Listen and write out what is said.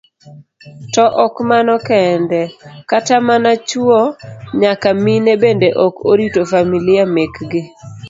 To ok mano kende, kata mana chuo nyaka mine bende ok orito familia mekgi.